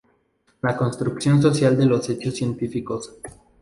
La construcción social de los hechos científicos.